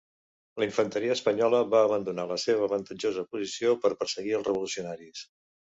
La infanteria espanyola va abandonar la seva avantatjosa posició per perseguir els revolucionaris.